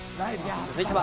続いては。